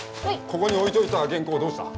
ここに置いといた原稿どうした？